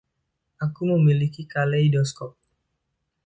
Aku memiliki kaleidoskop.